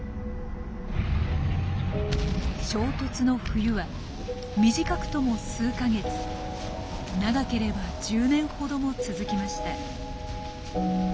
衝突の冬は短くとも数か月長ければ１０年ほども続きました。